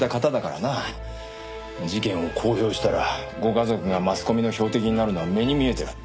事件を公表したらご家族がマスコミの標的になるのは目に見えてる。